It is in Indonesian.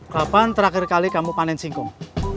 kapan terakhir kali kamu panen singkong